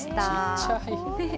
ちっちゃい。